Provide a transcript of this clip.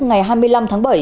ngày hai mươi năm tháng bảy